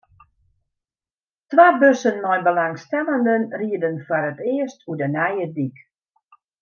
Twa bussen mei belangstellenden rieden foar it earst oer de nije dyk.